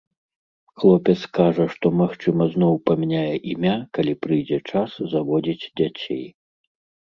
Хлопец кажа, што, магчыма, зноў памяняе імя, калі прыйдзе час заводзіць дзяцей.